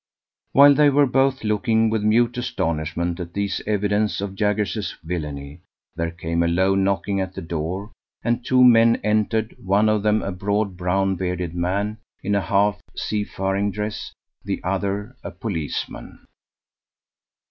While they were both looking with mute astonishment at these evidences of Jaggers's villany, there came a low knocking at the door, and two men entered, one of them a broad, brown bearded man in a half seafaring dress, the other a policeman.